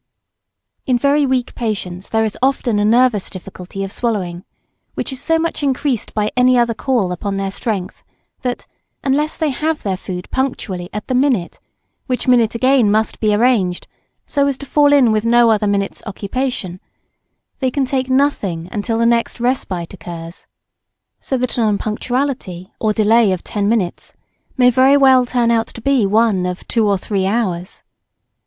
In very weak patients there is often a nervous difficulty of swallowing, which is so much increased by any other call upon their strength that, unless they have their food punctually at the minute, which minute again must be arranged so as to fall in with no other minute's occupation, they can take nothing till the next respite occurs so that an unpunctuality or delay of ten minutes may very well turn out to be one of two or three hours.